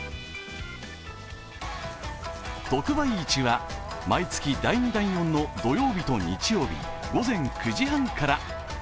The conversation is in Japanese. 特売市は、毎月第２、第４の土曜日と日曜日、午前９時半から。